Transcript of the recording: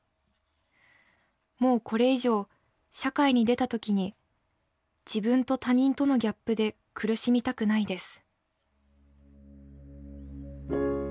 もうこれ以上社会に出た時に自分と他人とのギャップで苦しみたくないです」。